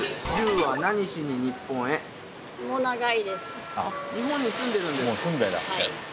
はい。